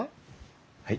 はい。